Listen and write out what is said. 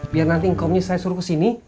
biar nanti ngkomnya saya suruh kesini